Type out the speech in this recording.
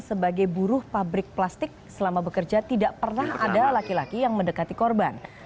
sebagai buruh pabrik plastik selama bekerja tidak pernah ada laki laki yang mendekati korban